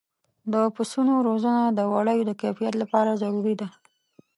د پسونو روزنه د وړیو د کیفیت لپاره ضروري ده.